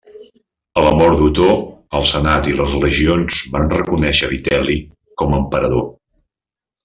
A la mort d'Otó, el Senat i les legions van reconèixer Vitel·li com a emperador.